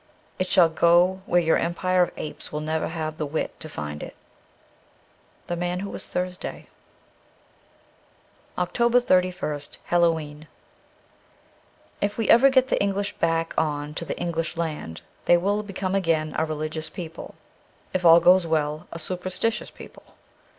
It shall go where your empire of apes will never have the wit to find it. ' The Man who was Thursday' 336 OCTOBER 31st HALLOW E'EN IF we ever get the English back on to the English land they will become again a religious people, if all goes well, a superstitious people.